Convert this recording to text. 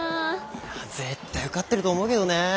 いや絶対受かってると思うけどね。